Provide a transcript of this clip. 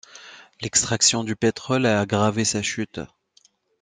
L'extraction du pétrole a aggravé sa chute.